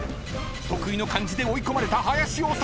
［得意の漢字で追い込まれた林修。